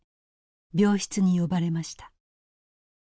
病室に呼ばれました。